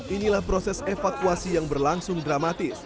inilah proses evakuasi yang berlangsung dramatis